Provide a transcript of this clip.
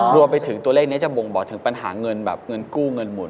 รวมไปถึงตัวเลขนี้จะบ่งบอกถึงปัญหาเงินแบบเงินกู้เงินหมุน